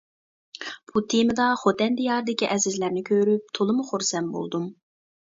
بۇ تېمىدا خوتەن دىيارىدىكى ئەزىزلەرنى كۆرۈپ تولىمۇ خۇرسەن بولدۇم.